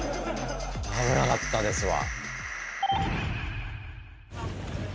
危なかったですわ。